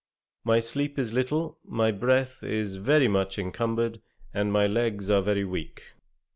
My sleep is little, my breath is very much encumbered, and my legs are very weak.